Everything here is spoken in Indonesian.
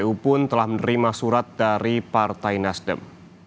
kpu pun telah menerima surat dari partai nasdem